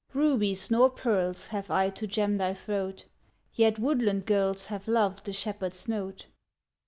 Rubies nor pearls Have I to gem thy throat; Yet woodland girls Have loved the shepherd's note.